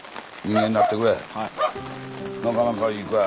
なかなかいい子や。